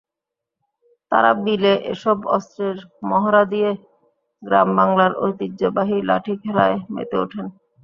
তাঁরা বিলে এসব অস্ত্রের মহড়া দিয়ে গ্রামবাংলার ঐতিহ্যবাহী লাঠিখেলায় মেতে ওঠেন।